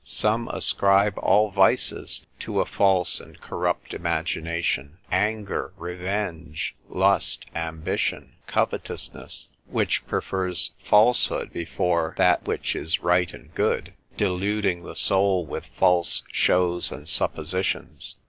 Some ascribe all vices to a false and corrupt imagination, anger, revenge, lust, ambition, covetousness, which prefers falsehood before that which is right and good, deluding the soul with false shows and suppositions.